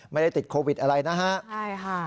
ไม่ได้ติดโควิดอะไรนะครับ